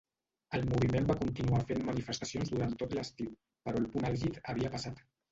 El moviment va continuar fent manifestacions durant tot l'estiu, però el punt àlgid havia passat.